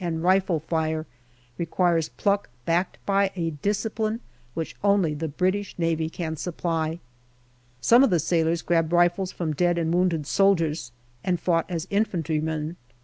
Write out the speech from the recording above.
and rifle fire requires pluck backed by a discipline which only the British Navy can supply. Some of the sailors grabbed rifles from dead and wounded soldiers and fought as infantrymen.